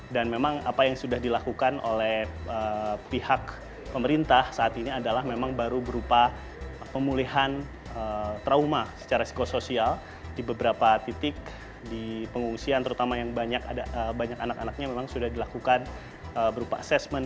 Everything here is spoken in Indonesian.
dan memang apa yang sudah dilakukan oleh pihak pemerintah saat ini adalah memang baru berupa pemulihan trauma secara psikosoial di beberapa titik di pengungsian terutama yang banyak anak anaknya memang sudah dilakukan berupa asesmen